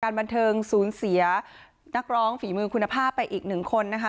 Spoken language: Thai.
บันเทิงศูนย์เสียนักร้องฝีมือคุณภาพไปอีกหนึ่งคนนะคะ